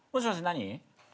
何？